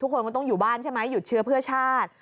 คนก็ต้องอยู่บ้านใช่ไหมหยุดเชื้อเพื่อชาติ